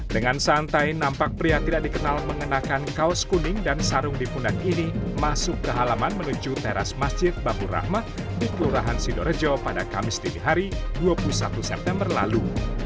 dengan santai nampak pria tidak dikenal mengenakan kaos kuning dan sarung di pundak ini masuk ke halaman menuju teras masjid baku rahmah di kelurahan sidorejo pada kamis dinihari dua puluh satu september lalu